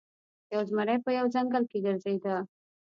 یو زمری په یوه ځنګل کې ګرځیده.